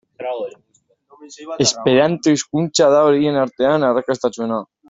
Esperanto hizkuntza da horien artean arrakastatsuena.